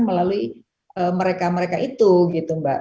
melalui mereka mereka itu